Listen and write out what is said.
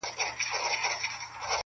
دا د نغدو پیسو زور دی چي ژړیږي -